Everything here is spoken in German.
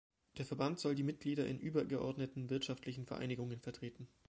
Der Verband soll die Mitglieder in übergeordneten wirtschaftlichen Vereinigungen vertreten.